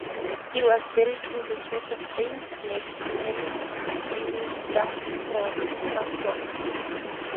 He was buried in the church of Saint Mary's, Helmingham, Suffolk.